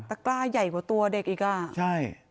แล้วก็อย่ายกว่าตัวเด็กอีกอ่ะ